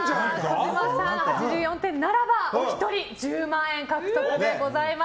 児嶋さん、８４点ならば１人１０万円獲得でございます。